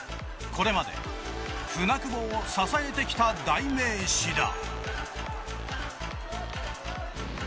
これまで舟久保を支えてきた代名詞だ。